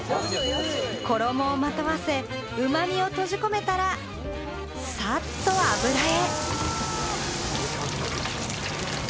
衣をまとわせ、うまみを閉じ込めたら、さっと油へ。